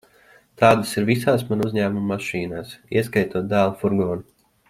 Tādas ir visās mana uzņēmuma mašīnās, ieskaitot dēla furgonu.